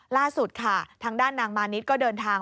ล่าสุดค่ะทางด้านนางมานิดก็เดินทาง